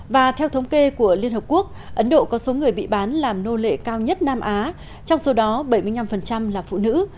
và theo thống kê của liên hợp quốc ấn độ có số người bị bán làm nô lệ cao nhất nam á trong số đó bảy mươi năm là phụ nữ